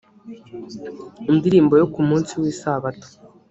indirimbo yo ku munsi w isabato